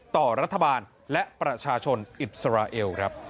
ต่อรัฐบาลและประชาชนอิสราเอลครับ